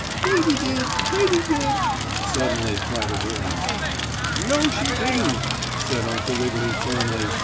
"Katy did! Katy did!" suddenly cried a voice. "No, she didn't," said Uncle Wiggily, firmly.